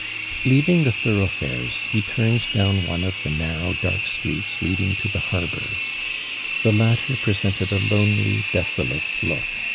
Leaving the thorouglilares he turned down one of the narrow dark streets leading to the liarbor. Tlie latter presented a lonely, desolate look.